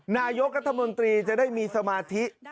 นายกรัฐมนตรีจะได้มีสมาธิ